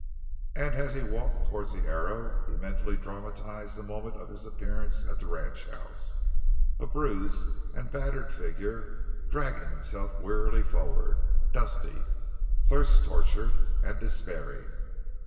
And as he walked toward the Arrow he mentally dramatized the moment of his appearance at the ranchhouse—a bruised and battered figure dragging itself wearily forward, dusty, thirst tortured, and despairing.